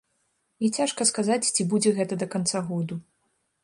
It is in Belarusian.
І цяжка сказаць, ці будзе гэта да канца году.